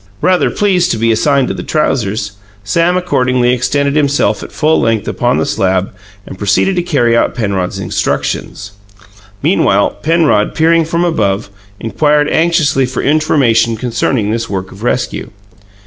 Rather pleased to be assigned to the trousers, Sam accordingly extended himself at full length upon the slab and proceeded to carry out Penrod's instructions. Meanwhile, Penrod, peering from above, inquired anxiously for information concerning this work of rescue.